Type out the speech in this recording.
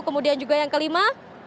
kemudian juga yang kelima